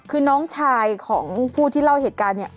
คือน้องชายของผู้ที่เล่าเหตุการณ์เนี่ย